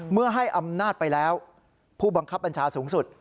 เมื่อให้อำนาจไปแล้วผู้บังคับบัญชาสูงสุด